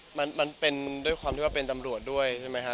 มันเป็นด้วยความที่ว่าเป็นตำรวจด้วยใช่ไหมฮะ